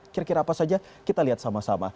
kira kira apa saja kita lihat sama sama